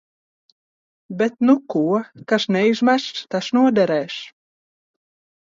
Bet nu ko, kas neizmests, tas noderēs.